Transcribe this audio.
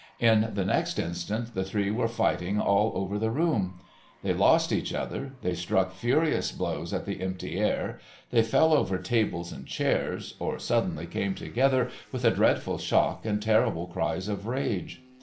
In the next instant the three were fighting all over the room. They lost each other, they struck furious blows at the empty air, they fell over tables and chairs, or suddenly came together with a dreadful shock and terrible cries of rage.